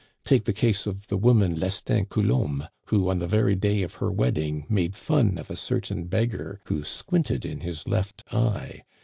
Take the case of the woman, Lestin Coulombe, who, on the very day of her wedding, made fun of a certain beggar who squinted in his left eye.